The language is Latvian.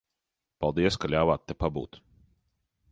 Paldies, ka ļāvāt te pabūt.